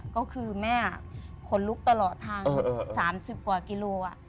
ก็คือแม่ขนลุกตลอดทาง๓๐กว่ากิโล